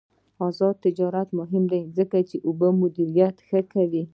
آزاد تجارت مهم دی ځکه چې اوبه مدیریت ښه کوي.